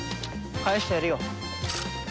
返してやるよ。